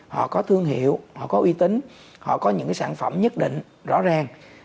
họ có thương hiệu họ có uy tín họ có những sản phẩm nhất định rõ ràng